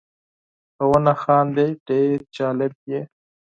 که ونه خاندې ډېر جالب یې .